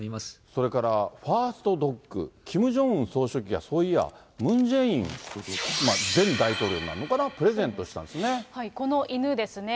それから、ファーストドッグ、キム・ジョンウン総書記がそういや、ムン・ジェイン前大統領になるのかな、プレゼントしたんですこの犬ですね。